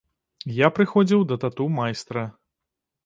Я прыходзіў да тату-майстра.